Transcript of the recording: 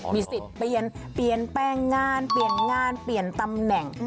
มีสิทธิ์เปลี่ยนเปลี่ยนแปลงงานเปลี่ยนงานเปลี่ยนตำแหน่ง